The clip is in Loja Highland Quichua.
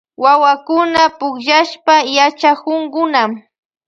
Wawakuna pukllashpa yachakunkuna.